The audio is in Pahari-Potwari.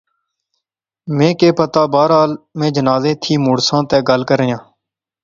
میں کہہ پتہ، بہرحال میں جنازے تھی مڑساں تہ گل کرنیاں